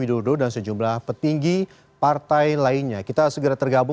you luar biasa you